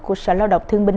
của sở lao động thương minh